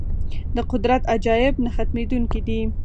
د قدرت عجایب نه ختمېدونکي دي.